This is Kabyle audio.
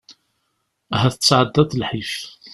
Ahat tesεeddaḍ lḥif.